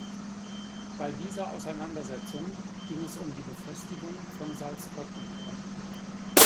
Bei dieser Auseinandersetzung ging es um die Befestigung von Salzkotten.